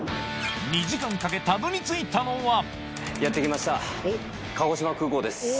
２時間かけたどり着いたのはやって来ました鹿児島空港です。